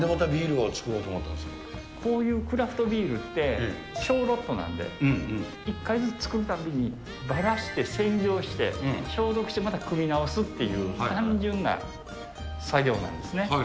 なんでまたビールを造ろうとこういうクラフトビールって、小ロットなんで、１回ずつ作るたんびに、ばらして洗浄して、消毒して、また組み直すっていう、単純な作業なんですね。